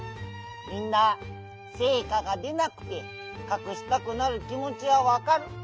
みんなせいかが出なくてかくしたくなる気もちはわかる。